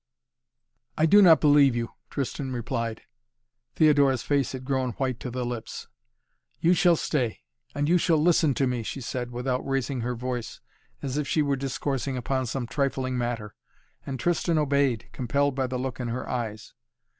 "I do not believe you," Tristan replied. Theodora's face had grown white to the lips. "You shall stay and you shall listen to me!" she said, without raising her voice, as if she were discoursing upon some trifling matter, and Tristan obeyed, compelled by the look in her eyes.